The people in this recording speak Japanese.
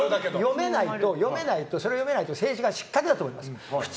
それが読めないと政治家失格だと思います。